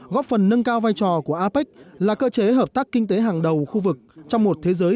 góp phần nâng cao vai trò của apec là cơ chế hợp tác kinh tế hàng đầu khu vực trong một thế giới